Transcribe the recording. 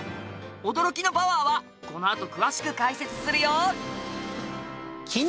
驚きのパワーはこのあと詳しく解説するよ！